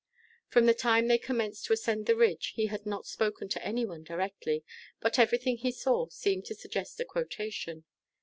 From the time they commenced to ascend the ridge he had not spoken to any one directly, but everything he saw seemed to suggest a quotation.